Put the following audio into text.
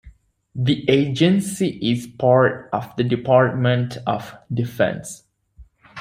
The agency is part of the Department of Defense.